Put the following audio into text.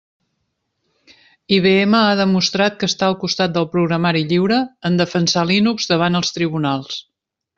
IBM ha demostrat que està al costat del programari lliure en defensar Linux davant els tribunals.